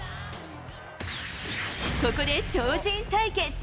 ここで超人対決。